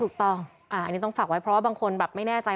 ถูกต้องอันนี้ต้องฝากไว้เพราะว่าบางคนแบบไม่แน่ใจ